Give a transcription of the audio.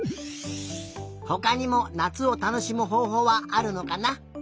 ほかにもなつをたのしむほうほうはあるのかな？